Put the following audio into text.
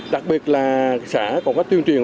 đặc biệt là xã còn có tuyên truyền